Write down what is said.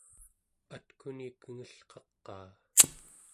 atkuni kengelqaqaa